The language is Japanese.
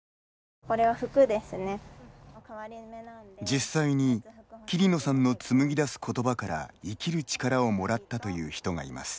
実際に桐野さんの紡ぎ出す言葉から生きる力をもらったという人がいます。